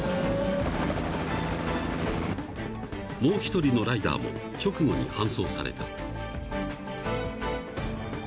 ［もう一人のライダーも直後に搬送された］